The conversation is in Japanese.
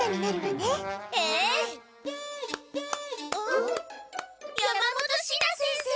・ん？山本シナ先生！